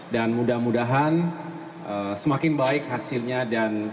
dan mudah mudahan semakin baik hasilnya dan